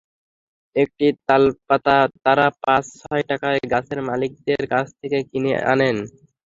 একটি তালপাতা তারা পাঁচ-ছয় টাকায় গাছের মালিকদের কাছ থেকে কিনে আনেন।